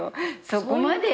そこまで？